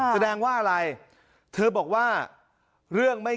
แสดงว่าอะไร